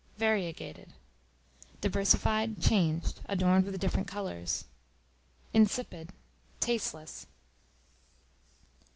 Variegated, diversified, changed; adorned with different colors. Insipid, tasteless.